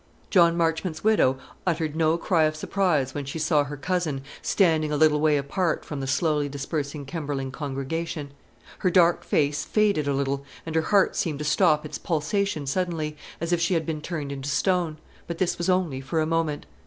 John Marchmont's widow uttered no cry of surprise when she saw her cousin standing a little way apart from the slowly dispersing Kemberling congregation. Her dark face faded a little, and her heart seemed to stop its pulsation suddenly, as if she had been turned into stone; but this was only for a moment.